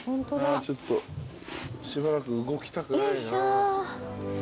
ちょっとしばらく動きたくないな。